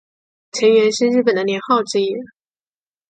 承元是日本的年号之一。